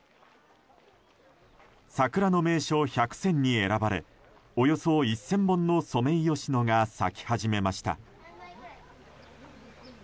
さくらの名所１００選に選ばれおよそ１０００本のソメイヨシノが咲き始めました。